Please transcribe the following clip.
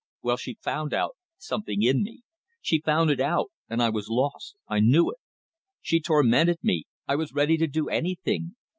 Well, she found out something in me. She found it out, and I was lost. I knew it. She tormented me. I was ready to do anything.